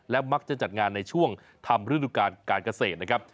มักจะจัดงานในช่วงทำฤดูการการเกษตรนะครับ